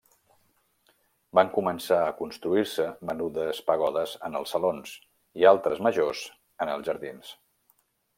Van començar a construir-se menudes pagodes en els salons, i altres majors en els jardins.